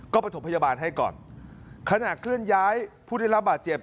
ก็ประถมพยาบาลให้ก่อนขณะเคลื่อนย้ายผู้ได้รับบาดเจ็บ